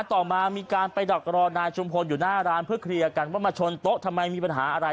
ต่อมามีการไปดักรอนายชุมพลอยู่หน้าร้านเพื่อเคลียร์กันว่ามาชนโต๊ะทำไมมีปัญหาอะไร